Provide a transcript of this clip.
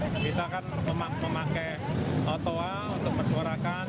kita kan memakai toa untuk mensuarakan